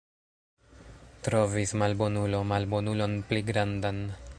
Trovis malbonulo malbonulon pli grandan.